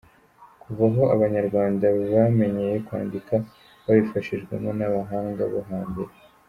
kuva aho Abanyarwanda bamenyeye kwandika babifashijwemo n’abahanga bo ha mbere.